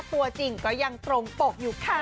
ตัวจริงก็ยังตรงปกอยู่ค่ะ